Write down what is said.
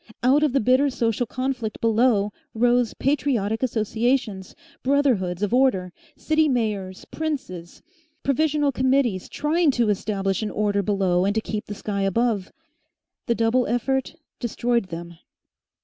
Out of the bitter social conflict below rose patriotic associations, brotherhoods of order, city mayors, princes, provisional committees, trying to establish an order below and to keep the sky above. The double effort destroyed them.